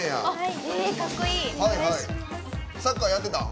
サッカーやってたん？